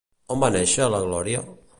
On va néixer la Gloria?